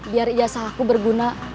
biar ijazah aku berguna